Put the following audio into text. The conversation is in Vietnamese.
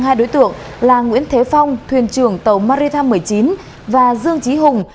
hai đối tượng là nguyễn thế phong thuyền trưởng tàu maritam một mươi chín và dương chí hùng